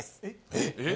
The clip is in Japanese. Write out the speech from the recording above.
・えっ？